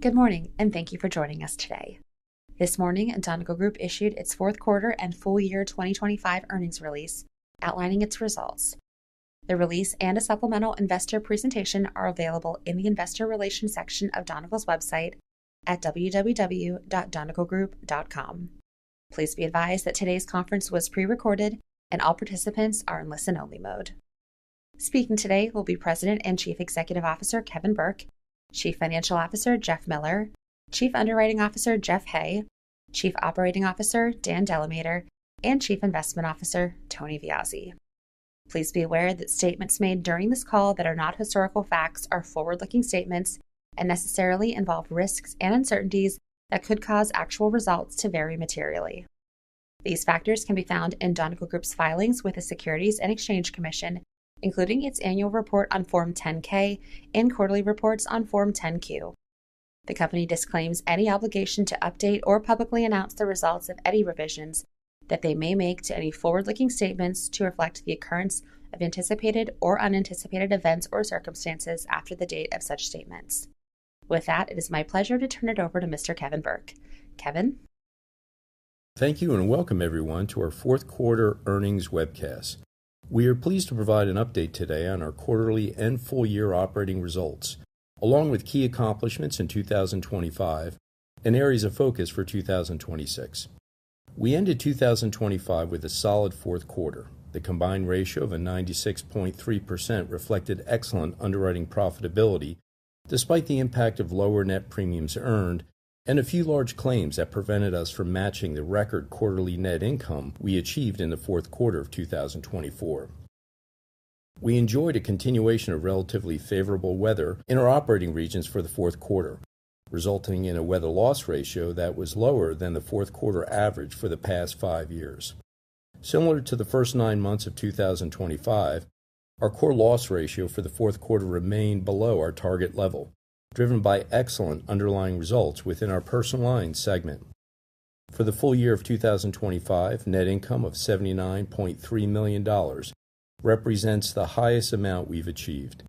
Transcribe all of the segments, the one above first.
Good morning, and thank you for joining us today. This morning, Donegal Group issued its Q4 and full year 2025 earnings release outlining its results. The release and a supplemental investor presentation are available in the Investor Relations section of Donegal's website at www.donegalgroup.com. Please be advised that today's conference was pre-recorded and all participants are in listen-only mode. Speaking today will be President and Chief Executive Officer, Kevin Burke; Chief Financial Officer, Jeff Miller; Chief Underwriting Officer, Jeff Hay; Chief Operating Officer, Dan DeLamater; and Chief Investment Officer, Tony Viozzi. Please be aware that statements made during this call that are not historical facts are forward-looking statements and necessarily involve risks and uncertainties that could cause actual results to vary materially. These factors can be found in Donegal Group's filings with the Securities and Exchange Commission, including its annual report on Form 10-K and quarterly reports on Form 10-Q. The company disclaims any obligation to update or publicly announce the results of any revisions that they may make to any forward-looking statements to reflect the occurrence of anticipated or unanticipated events or circumstances after the date of such statements. With that, it is my pleasure to turn it over to Mr. Kevin Burke. Kevin? Thank you, and welcome everyone to our Q4 earnings webcast. We are pleased to provide an update today on our quarterly and full year operating results, along with key accomplishments in 2025 and areas of focus for 2026. We ended 2025 with a solid Q4. The combined ratio of 96.3% reflected excellent underwriting profitability, despite the impact of lower net premiums earned and a few large claims that prevented us from matching the record quarterly net income we achieved in the Q4 of 2024. We enjoyed a continuation of relatively favorable weather in our operating regions for the Q4, resulting in a weather loss ratio that was lower than the Q4 average for the past 5 years. Similar to the first nine months of 2025, our core loss ratio for the Q4 remained below our target level, driven by excellent underlying results within our personal lines segment. For the full year of 2025, net income of $79.3 million represents the highest amount we've achieved.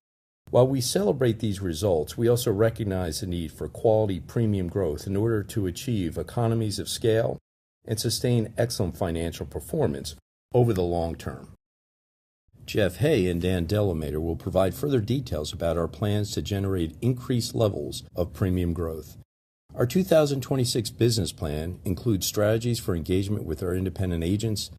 While we celebrate these results, we also recognize the need for quality premium growth in order to achieve economies of scale and sustain excellent financial performance over the long term. Jeff Hay and Dan DeLamater will provide further details about our plans to generate increased levels of premium growth. Our 2026 business plan includes strategies for engagement with our independent agents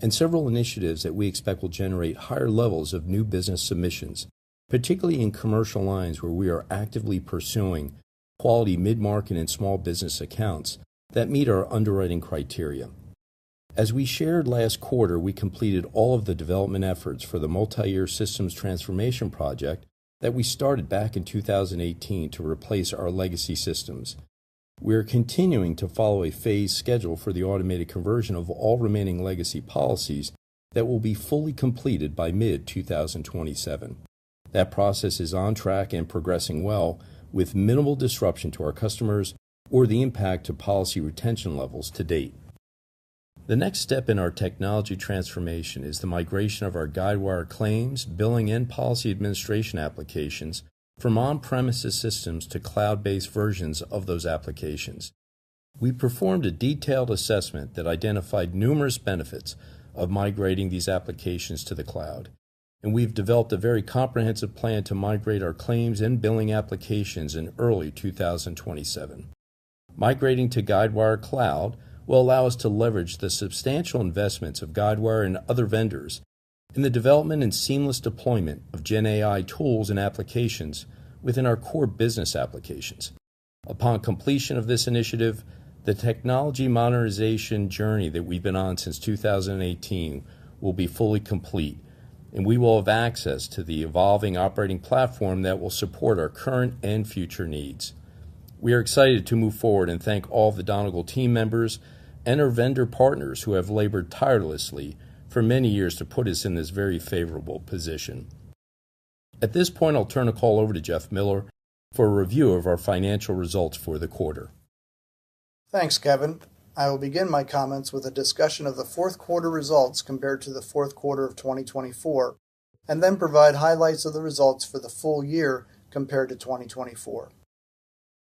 and several initiatives that we expect will generate higher levels of new business submissions, particularly in commercial lines, where we are actively pursuing quality mid-market and small business accounts that meet our underwriting criteria. As we shared last quarter, we completed all of the development efforts for the multi-year systems transformation project that we started back in 2018 to replace our legacy systems. We are continuing to follow a phased schedule for the automated conversion of all remaining legacy policies that will be fully completed by mid-2027. That process is on track and progressing well with minimal disruption to our customers or the impact to policy retention levels to date. The next step in our technology transformation is the migration of our Guidewire claims, billing, and policy administration applications from on-premises systems to cloud-based versions of those applications. We performed a detailed assessment that identified numerous benefits of migrating these applications to the cloud, and we've developed a very comprehensive plan to migrate our claims and billing applications in early 2027. Migrating to Guidewire Cloud will allow us to leverage the substantial investments of Guidewire and other vendors in the development and seamless deployment of Gen AI tools and applications within our core business applications. Upon completion of this initiative, the technology modernization journey that we've been on since 2018 will be fully complete, and we will have access to the evolving operating platform that will support our current and future needs. We are excited to move forward and thank all of the Donegal team members and our vendor partners who have labored tirelessly for many years to put us in this very favorable position. At this point, I'll turn the call over to Jeff Miller for a review of our financial results for the quarter. Thanks, Kevin. I will begin my comments with a discussion of the Q4 results compared to the Q4 of 2024, and then provide highlights of the results for the full year compared to 2024.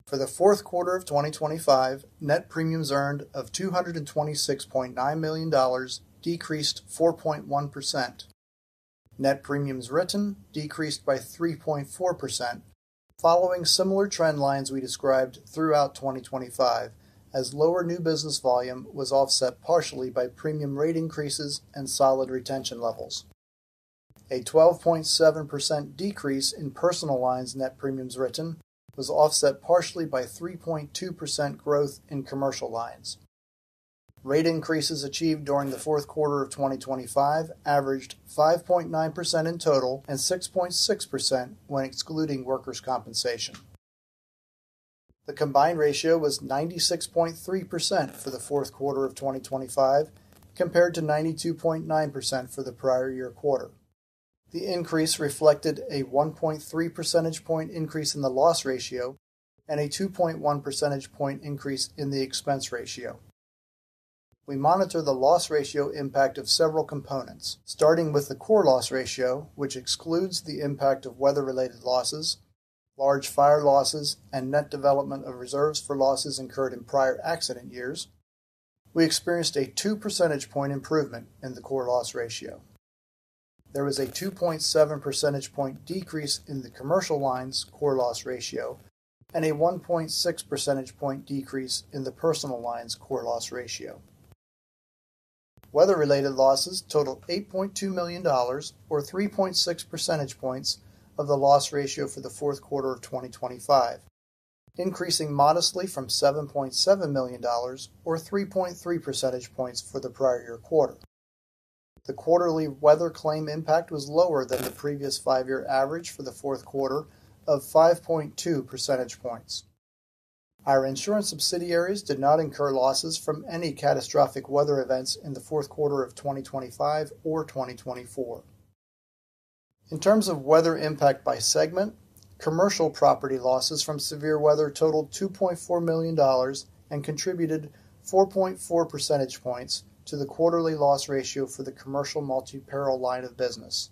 For the Q4 of 2025, net premiums earned of $226.9 million decreased 4.1%. net premiums written decreased by 3.4%. Following similar trend lines we described throughout 2025, as lower new business volume was offset partially by premium rate increases and solid retention levels. A 12.7% decrease in personal lines net premiums written was offset partially by 3.2% growth in commercial lines. Rate increases achieved during the Q4 of 2025 averaged 5.9% in total and 6.6% when excluding workers' compensation. The combined ratio was 96.3% for the Q4 of 2025, compared to 92.9% for the prior year quarter. The increase reflected a 1.3 percentage point increase in the loss ratio and a 2.1 percentage point increase in the expense ratio. We monitor the loss ratio impact of several components, starting with the core loss ratio, which excludes the impact of weather-related losses, large fire losses, and net development of reserves for losses incurred in prior accident years. We experienced a 2 percentage point improvement in the core loss ratio. There was a 2.7 percentage point decrease in the commercial lines core loss ratio and a 1.6 percentage point decrease in the personal lines core loss ratio. Weather-related losses totaled $8.2 million, or 3.6 percentage points of the loss ratio for the Q4 of 2025, increasing modestly from $7.7 million, or 3.3 percentage points for the prior year quarter. The quarterly weather claim impact was lower than the previous 5-year average for the Q4 of 5.2 percentage points. Our insurance subsidiaries did not incur losses from any catastrophic weather events in the Q4 of 2025 or 2024. In terms of weather impact by segment, commercial property losses from severe weather totaled $2.4 million and contributed 4.4 percentage points to the quarterly loss ratio for the commercial multi-peril line of business.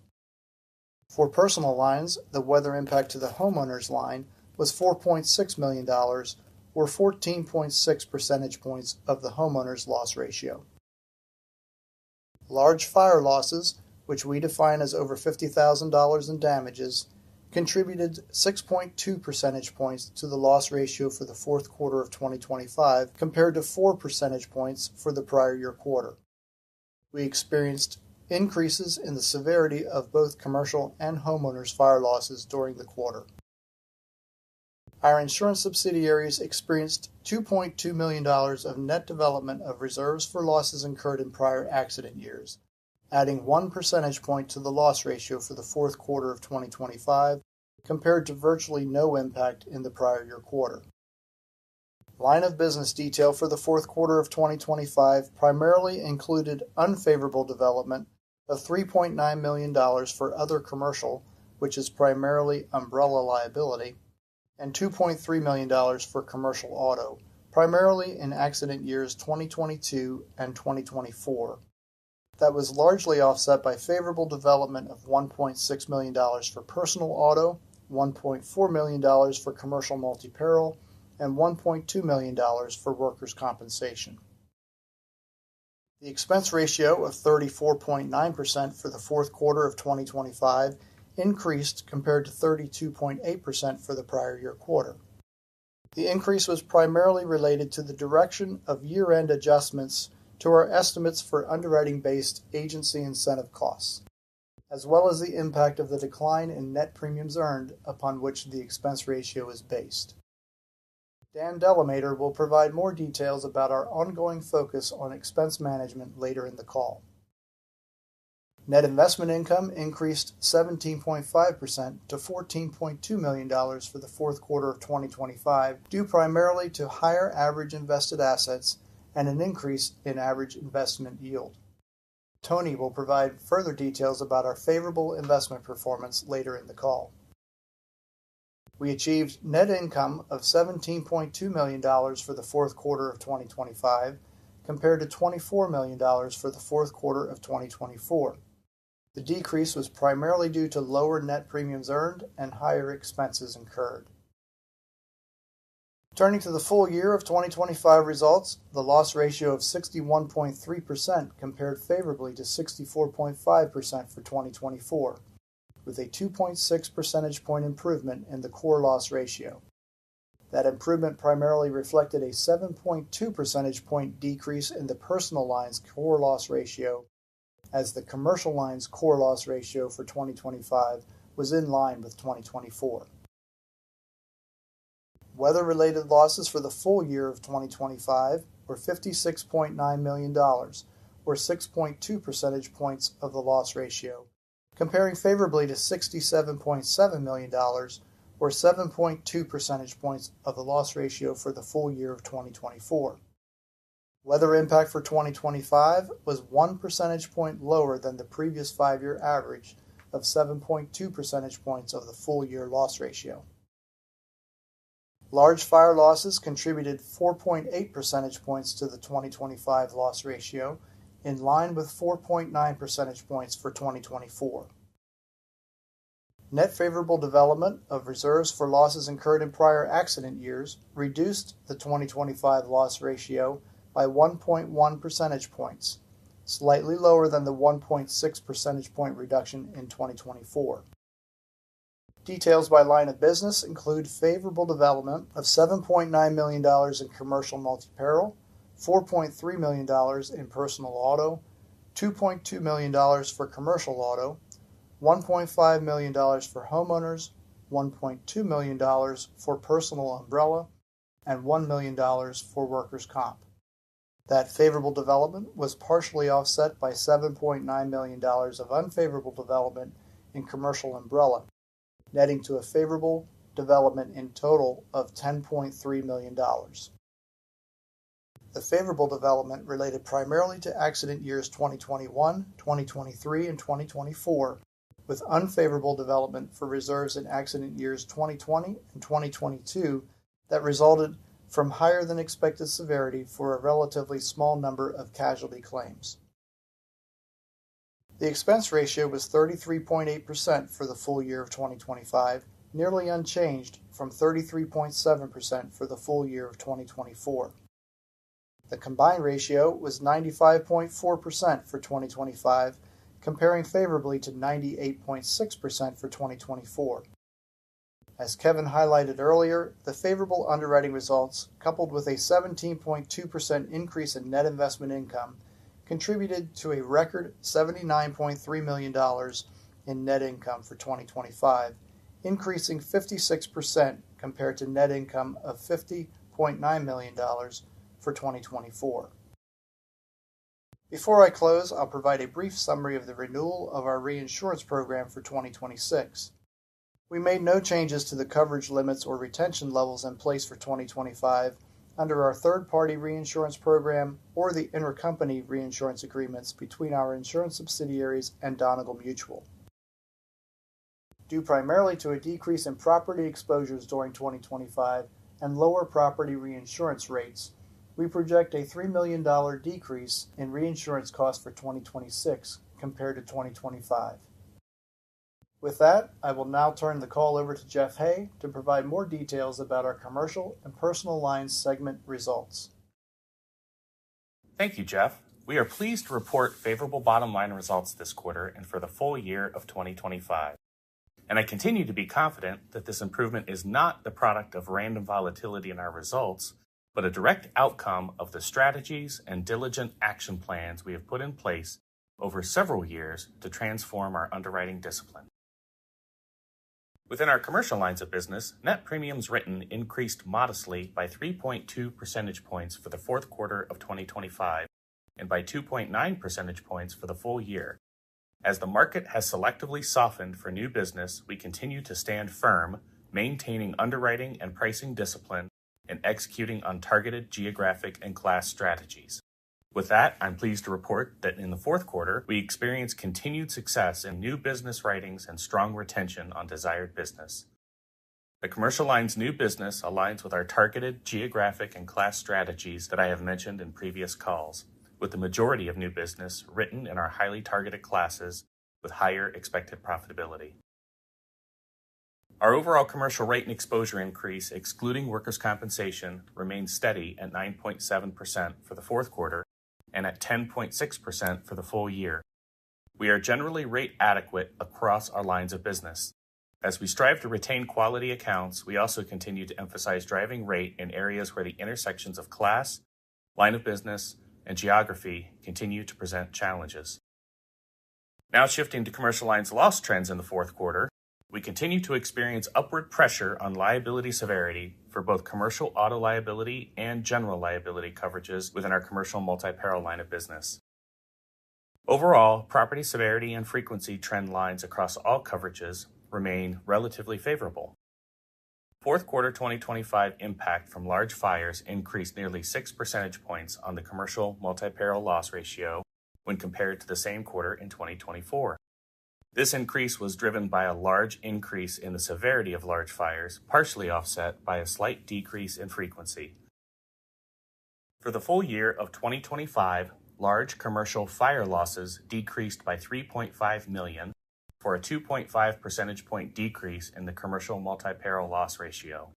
For personal lines, the weather impact to the homeowners line was $4.6 million, or 14.6 percentage points of the homeowners' loss ratio. Large Fire Losses, which we define as over $50,000 in damages, contributed 6.2 percentage points to the loss ratio for the Q4 of 2025, compared to 4 percentage points for the prior year quarter. We experienced increases in the severity of both commercial and homeowners' fire losses during the quarter. Our insurance subsidiaries experienced $2.2 million of net development of reserves for losses incurred in prior accident years, adding 1 percentage point to the loss ratio for the Q4 of 2025, compared to virtually no impact in the prior year quarter. Line of business detail for the Q4 of 2025 primarily included unfavorable development of $3.9 million for other commercial, which is primarily umbrella liability, and $2.3 million for commercial auto, primarily in accident years 2022 and 2024. That was largely offset by favorable development of $1.6 million for personal auto, $1.4 million for commercial multi-peril, and $1.2 million for workers' compensation. The expense ratio of 34.9% for the Q4 of 2025 increased compared to 32.8% for the prior year quarter. The increase was primarily related to the direction of year-end adjustments to our estimates for underwriting-based agency incentive costs, as well as the impact of the decline in net premiums earned upon which the expense ratio is based. Dan DeLamater will provide more details about our ongoing focus on expense management later in the call. Net investment income increased 17.5% to $14.2 million for the Q4 of 2025, due primarily to higher average invested assets and an increase in average investment yield. Tony will provide further details about our favorable investment performance later in the call. We achieved net income of $17.2 million for the Q4 of 2025, compared to $24 million for the Q4 of 2024. The decrease was primarily due to lower net premiums earned and higher expenses incurred. Turning to the full year of 2025 results, the loss ratio of 61.3% compared favorably to 64.5% for 2024, with a 2.6 percentage point improvement in the core loss ratio. That improvement primarily reflected a 7.2 percentage point decrease in the personal lines core loss ratio, as the commercial lines core loss ratio for 2025 was in line with 2024. Weather-related losses for the full year of 2025 were $56.9 million, or 6.2 percentage points of the loss ratio, comparing favorably to $67.7 million, or 7.2 percentage points of the loss ratio for the full year of 2024. Weather impact for 2025 was 1 percentage point lower than the previous 5-year average of 7.2 percentage points of the full year loss ratio. Large fire losses contributed 4.8 percentage points to the 2025 loss ratio, in line with 4.9 percentage points for 2024. Net favorable development of reserves for losses incurred in prior accident years reduced the 2025 loss ratio by 1.1 percentage points, slightly lower than the 1.6 percentage point reduction in 2024. Details by line of business include favorable development of $7.9 million in commercial multi-peril, $4.3 million in personal auto, $2.2 million for commercial auto, $1.5 million for homeowners, $1.2 million for personal umbrella, and $1 million for workers' comp. That favorable development was partially offset by $7.9 million of unfavorable development in commercial umbrella, netting to a favorable development in total of $10.3 million. The favorable development related primarily to accident years 2021, 2023, and 2024. with unfavorable development for reserves in accident years 2020 and 2022, that resulted from higher-than-expected severity for a relatively small number of casualty claims. The expense ratio was 33.8% for the full year of 2025, nearly unchanged from 33.7% for the full year of 2024. The combined ratio was 95.4% for 2025, comparing favorably to 98.6% for 2024. As Kevin highlighted earlier, the favorable underwriting results, coupled with a 17.2% increase in net investment income, contributed to a record $79.3 million in net income for 2025, increasing 56% compared to net income of $50.9 million for 2024. Before I close, I'll provide a brief summary of the renewal of our reinsurance program for 2026. We made no changes to the coverage limits or retention levels in place for 2025 under our third-party reinsurance program or the intercompany reinsurance agreements between our insurance subsidiaries and Donegal Mutual. Due primarily to a decrease in property exposures during 2025 and lower property reinsurance rates, we project a $3 million decrease in reinsurance costs for 2026 compared to 2025. With that, I will now turn the call over to Jeff Hay to provide more details about our commercial and personal lines segment results. Thank you, Jeff. We are pleased to report favorable bottom-line results this quarter and for the full year of 2025, and I continue to be confident that this improvement is not the product of random volatility in our results, but a direct outcome of the strategies and diligent action plans we have put in place over several years to transform our underwriting discipline. Within our commercial lines of business, net premiums written increased modestly by 3.2 percentage points for the Q4 of 2025, and by 2.9 percentage points for the full year. As the market has selectively softened for new business, we continue to stand firm, maintaining underwriting and pricing discipline and executing on targeted geographic and class strategies. With that, I'm pleased to report that in the Q4, we experienced continued success in new business writings and strong retention on desired business. The commercial lines new business aligns with our targeted geographic and class strategies that I have mentioned in previous calls, with the majority of new business written in our highly targeted classes with higher expected profitability. Our overall commercial rate and exposure increase, excluding workers' compensation, remained steady at 9.7% for the Q4 and at 10.6% for the full year. We are generally rate-adequate across our lines of business. As we strive to retain quality accounts, we also continue to emphasize driving rate in areas where the intersections of class, line of business, and geography continue to present challenges. Now, shifting to commercial lines loss trends in the Q4 we continue to experience upward pressure on liability severity for both commercial auto liability and general liability coverages within our commercial multi-peril line of business. Overall, property severity and frequency trend lines across all coverages remain relatively favorable. Q4 2025 impact from large fires increased nearly 6 percentage points on the commercial multi-peril loss ratio when compared to the same quarter in 2024. This increase was driven by a large increase in the severity of large fires, partially offset by a slight decrease in frequency. For the full year of 2025, large commercial fire losses decreased by $3.5 million, for a 2.5 percentage point decrease in the commercial multi-peril loss ratio.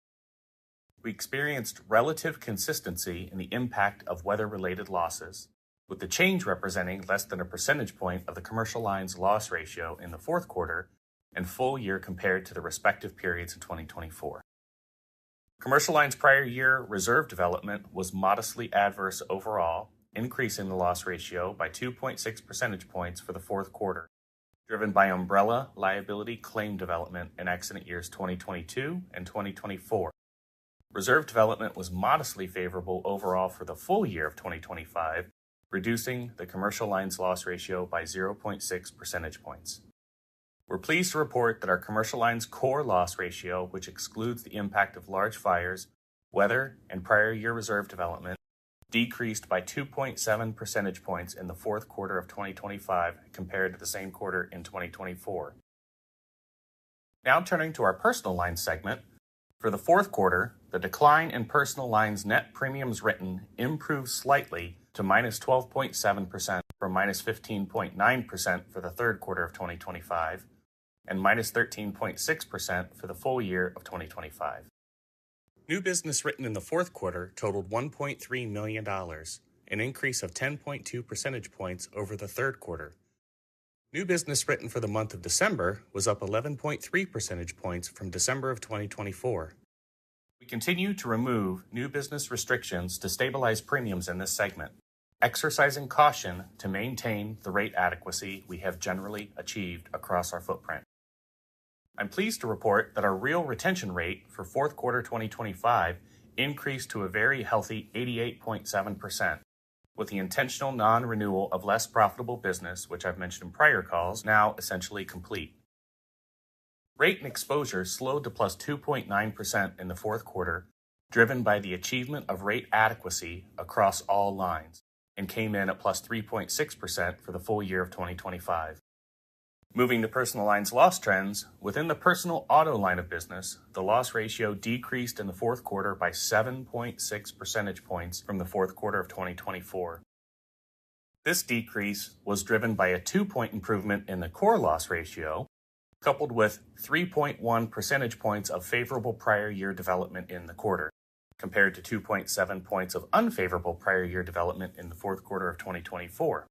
We experienced relative consistency in the impact of weather-related losses, with the change representing less than a percentage point of the commercial lines loss ratio in the Q4 and full year compared to the respective periods in 2024. commercial lines prior year reserve development was modestly adverse overall, increasing the loss ratio by 2.6 percentage points for the Q4, driven by umbrella liability claim development in accident years 2022 and 2024. Reserve development was modestly favorable overall for the full year of 2025, reducing the commercial lines loss ratio by 0.6 percentage points. We're pleased to report that our commercial lines core loss ratio, which excludes the impact of large fires, weather, and prior year reserve development, decreased by 2.7 percentage points in the Q4 of 2025 compared to the same quarter in 2024. Now turning to our personal lines segment. For the Q4, the decline in personal lines net premiums written improved slightly to -12.7% from -15.9% for the Q3 of 2025, and -13.6% for the full year of 2025. New business written in the Q3 totaled $1.3 million, an increase of 10.2 percentage points over the Q3. New business written for the month of December was up 11.3 percentage points from December of 2024. We continue to remove new business restrictions to stabilize premiums in this segment, exercising caution to maintain the rate adequacy we have generally achieved across our footprint. I'm pleased to report that our real retention rate for Q4 2025 increased to a very healthy 88.7%, with the intentional non-renewal of less profitable business, which I've mentioned in prior calls, now essentially complete. Rate and exposure slowed to +2.9% in the Q4, driven by the achievement of rate adequacy across all lines, and came in at +3.6% for the full year of 2025. Moving to personal lines loss trends, within the personal auto line of business, the loss ratio decreased in the fourth quarter by 7.6 percentage points from the fourth quarter of 2024. This decrease was driven by a 2-point improvement in the core loss ratio, coupled with 3.1 percentage points of favorable prior year development in the quarter, compared to 2.7 points of unfavorable prior year development in the fourth quarter of 2024.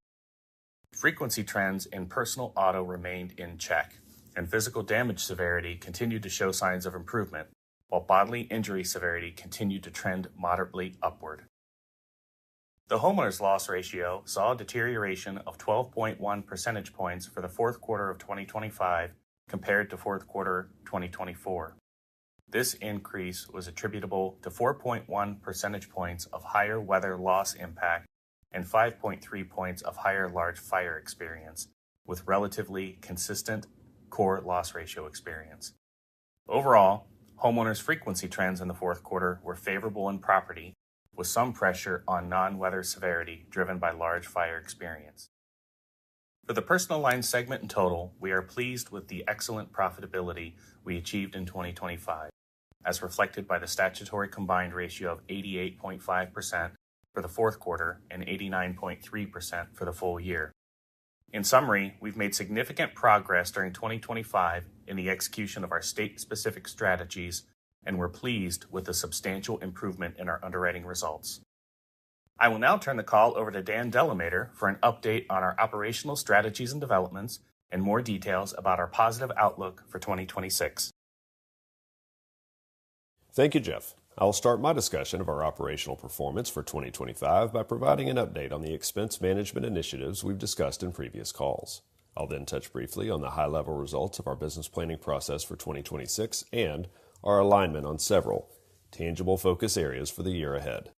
Frequency trends in personal auto remained in check, and physical damage severity continued to show signs of improvement, while bodily injury severity continued to trend moderately upward. The homeowners loss ratio saw a deterioration of 12.1 percentage points for the fourth quarter of 2025 compared to fourth quarter 2024. This increase was attributable to 4.1 percentage points of higher weather loss impact and 5.3 points of higher large fire experience, with relatively consistent core loss ratio experience. Overall, homeowners' frequency trends in the fourth quarter were favorable in property, with some pressure on non-weather severity, driven by large fire experience. For the personal line segment in total, we are pleased with the excellent profitability we achieved in 2025, as reflected by the statutory combined ratio of 88.5% for the fourth quarter and 89.3% for the full year. In summary, we've made significant progress during 2025 in the execution of our state-specific strategies, and we're pleased with the substantial improvement in our underwriting results. I will now turn the call over to Dan DeLamater for an update on our operational strategies and developments and more details about our positive outlook for 2026. Thank you, Jeff. I will start my discussion of our operational performance for 2025 by providing an update on the expense management initiatives we've discussed in previous calls. I'll then touch briefly on the high-level results of our business planning process for 2026 and our alignment on several tangible focus areas for the year ahead.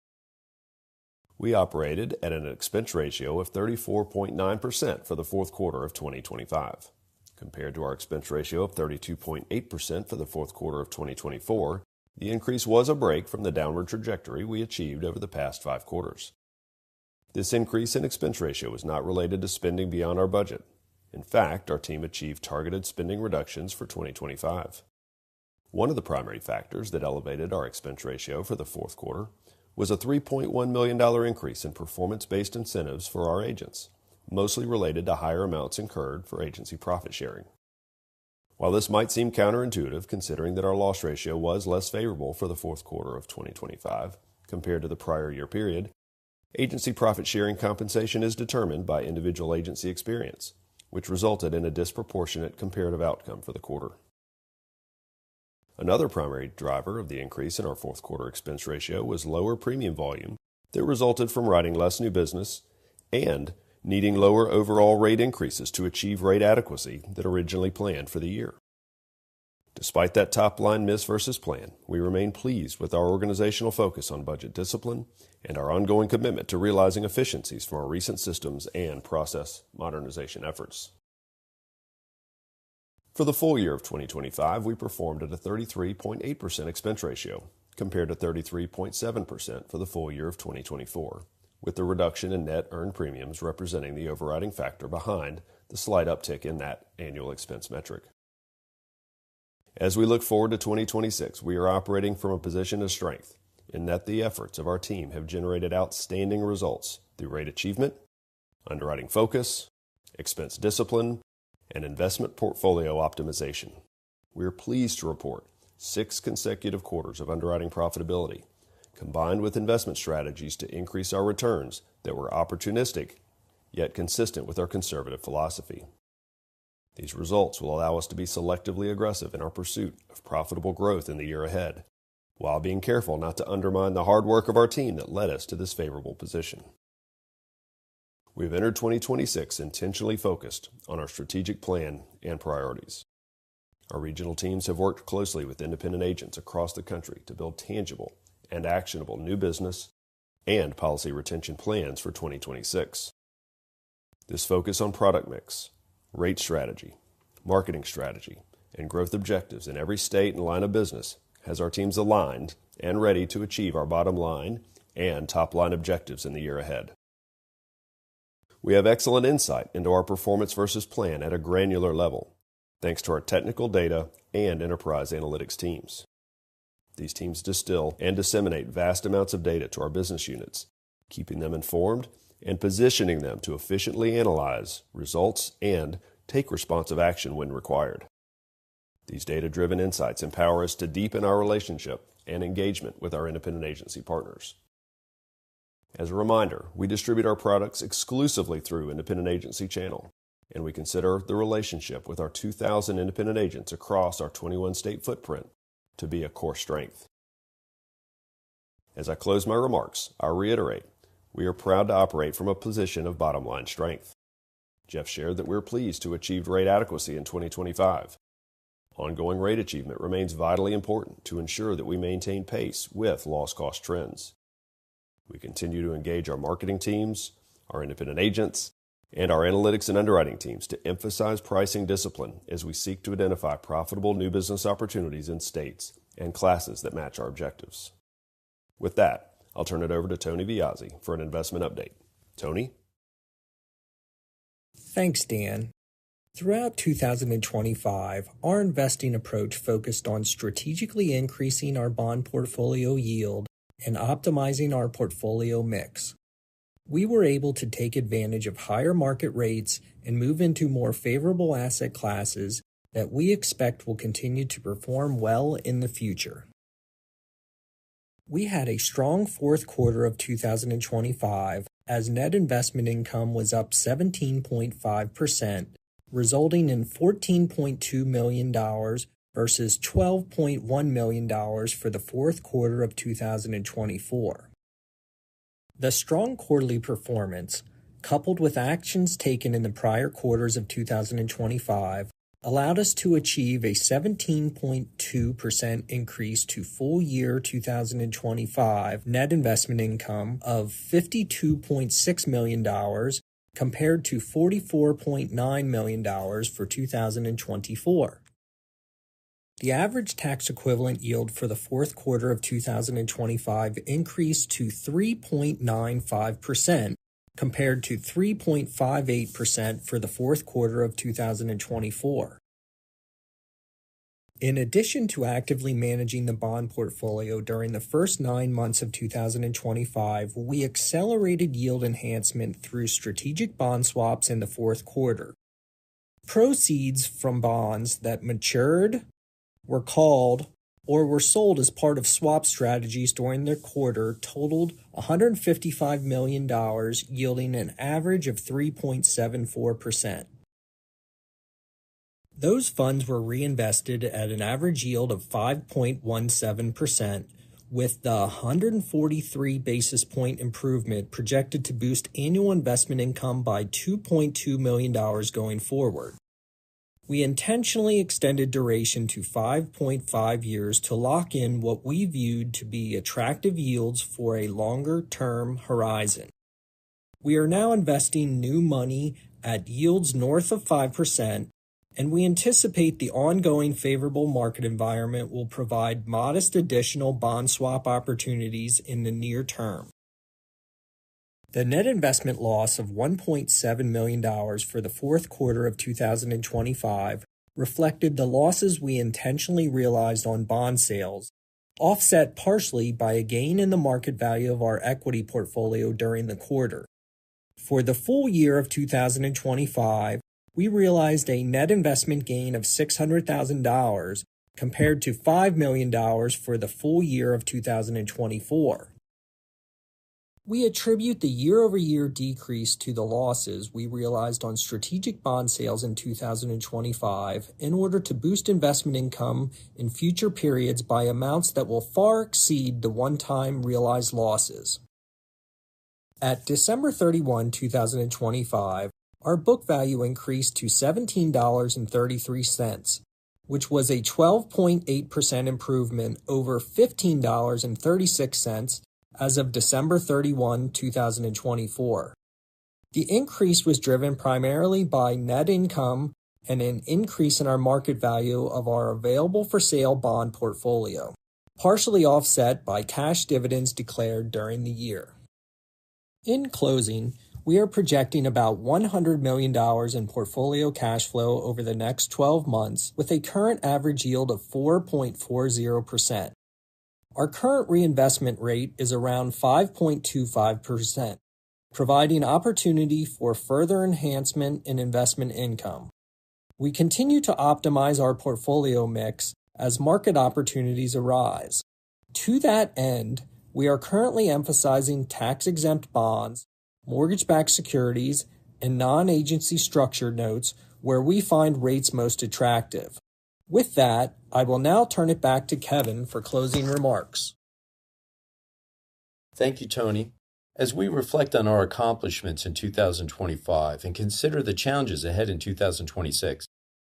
We operated at an expense ratio of 34.9% for the fourth quarter of 2025. Compared to our expense ratio of 32.8% for the fourth quarter of 2024, the increase was a break from the downward trajectory we achieved over the past five quarters. This increase in expense ratio is not related to spending beyond our budget. In fact, our team achieved targeted spending reductions for 2025. One of the primary factors that elevated our expense ratio for the fourth quarter was a $3.1 million increase in performance-based incentives for our agents, mostly related to higher amounts incurred for agency profit sharing. While this might seem counterintuitive, considering that our loss ratio was less favorable for the fourth quarter of 2025 compared to the prior year period, agency profit-sharing compensation is determined by individual agency experience, which resulted in a disproportionate comparative outcome for the quarter. Another primary driver of the increase in our fourth quarter expense ratio was lower premium volume that resulted from writing less new business and needing lower overall rate increases to achieve rate adequacy than originally planned for the year. Despite that top-line miss versus plan, we remain pleased with our organizational focus on budget discipline and our ongoing commitment to realizing efficiencies from our recent systems and process modernization efforts. For the full year of 2025, we performed at a 33.8% expense ratio, compared to 33.7% for the full year of 2024, with the reduction in net earned premiums representing the overriding factor behind the slight uptick in that annual expense metric. As we look forward to 2026, we are operating from a position of strength in that the efforts of our team have generated outstanding results through rate achievement, underwriting focus, expense discipline, and investment portfolio optimization. We are pleased to report 6 consecutive quarters of underwriting profitability, combined with investment strategies to increase our returns that were opportunistic, yet consistent with our conservative philosophy. These results will allow us to be selectively aggressive in our pursuit of profitable growth in the year ahead, while being careful not to undermine the hard work of our team that led us to this favorable position. We've entered 2026 intentionally focused on our strategic plan and priorities. Our regional teams have worked closely with independent agents across the country to build tangible and actionable new business and policy retention plans for 2026. This focus on product mix, rate strategy, marketing strategy, and growth objectives in every state and line of business has our teams aligned and ready to achieve our bottom-line and top-line objectives in the year ahead. We have excellent insight into our performance versus plan at a granular level, thanks to our technical data and enterprise analytics teams. These teams distill and disseminate vast amounts of data to our business units, keeping them informed and positioning them to efficiently analyze results and take responsive action when required. These data-driven insights empower us to deepen our relationship and engagement with our independent agency partners. As a reminder, we distribute our products exclusively through independent agency channel, and we consider the relationship with our 2,000 independent agents across our 21-state footprint to be a core strength. As I close my remarks, I reiterate, we are proud to operate from a position of bottom-line strength. Jeff shared that we're pleased to achieve rate adequacy in 2025. Ongoing rate achievement remains vitally important to ensure that we maintain pace with loss cost trends.... We continue to engage our marketing teams, our independent agents, and our analytics and underwriting teams to emphasize pricing discipline as we seek to identify profitable new business opportunities in states and classes that match our objectives. With that, I'll turn it over to Tony Viozzi for an investment update. Tony? Thanks, Dan. Throughout 2025, our investing approach focused on strategically increasing our bond portfolio yield and optimizing our portfolio mix. We were able to take advantage of higher market rates and move into more favorable asset classes that we expect will continue to perform well in the future. We had a strong fourth quarter of 2025 as net investment income was up 17.5%, resulting in $14.2 million versus $12.1 million for the fourth quarter of 2024. The strong quarterly performance, coupled with actions taken in the prior quarters of 2025, allowed us to achieve a 17.2% increase to full year 2025 net investment income of $52.6 million, compared to $44.9 million for 2024. The average tax equivalent yield for the fourth quarter of 2025 increased to 3.95%, compared to 3.58% for the fourth quarter of 2024. In addition to actively managing the bond portfolio during the first nine months of 2025, we accelerated yield enhancement through strategic bond swaps in the fourth quarter. Proceeds from bonds that matured, were called, or were sold as part of swap strategies during the quarter totaled $155 million, yielding an average of 3.74%. Those funds were reinvested at an average yield of 5.17%, with the 143 basis point improvement projected to boost annual investment income by $2.2 million going forward. We intentionally extended duration to 5.5 years to lock in what we viewed to be attractive yields for a longer term horizon. We are now investing new money at yields north of 5%, and we anticipate the ongoing favorable market environment will provide modest additional bond swap opportunities in the near term. The net investment loss of $1.7 million for the fourth quarter of 2025 reflected the losses we intentionally realized on bond sales, offset partially by a gain in the market value of our equity portfolio during the quarter. For the full year of 2025, we realized a net investment gain of $600,000 compared to $5 million for the full year of 2024. We attribute the year-over-year decrease to the losses we realized on strategic bond sales in 2025 in order to boost investment income in future periods by amounts that will far exceed the one-time realized losses. At December 31, 2025, our book value increased to $17.33, which was a 12.8% improvement over $15.36 as of December 31, 2024. The increase was driven primarily by net income and an increase in our market value of our available-for-sale bond portfolio, partially offset by cash dividends declared during the year. In closing, we are projecting about $100 million in portfolio cash flow over the next 12 months, with a current average yield of 4.40%. Our current reinvestment rate is around 5.25%, providing opportunity for further enhancement in investment income. We continue to optimize our portfolio mix as market opportunities arise. To that end, we are currently emphasizing tax-exempt bonds, mortgage-backed securities, and non-agency structured notes where we find rates most attractive. With that, I will now turn it back to Kevin for closing remarks. Thank you, Tony. As we reflect on our accomplishments in 2025 and consider the challenges ahead in 2026,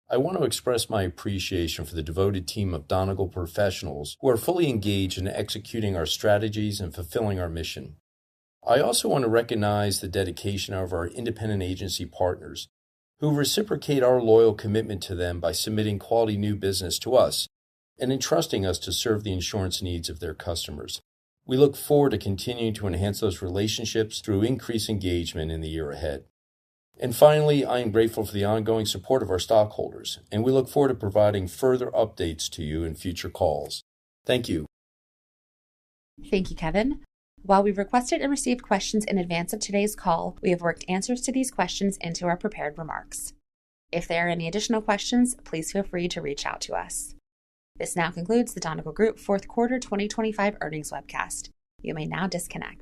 I want to express my appreciation for the devoted team of Donegal professionals who are fully engaged in executing our strategies and fulfilling our mission. I also want to recognize the dedication of our independent agency partners, who reciprocate our loyal commitment to them by submitting quality new business to us and entrusting us to serve the insurance needs of their customers. We look forward to continuing to enhance those relationships through increased engagement in the year ahead. And finally, I am grateful for the ongoing support of our stockholders, and we look forward to providing further updates to you in future calls. Thank you. Thank you, Kevin. While we've requested and received questions in advance of today's call, we have worked answers to these questions into our prepared remarks. If there are any additional questions, please feel free to reach out to us. This now concludes the Donegal Group fourth quarter 2025 earnings webcast. You may now disconnect.